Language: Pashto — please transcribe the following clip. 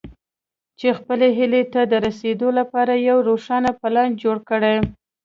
چې خپلې هيلې ته د رسېدو لپاره يو روښانه پلان جوړ کړئ.